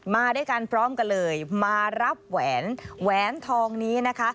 มาด้วยกันพร้อมกันเลยมารับแหวนแหวนทองนี้นะคะ